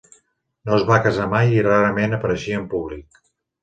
No es va casar mai i rarament apareixia en públic.